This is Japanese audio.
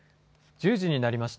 １０時になりました。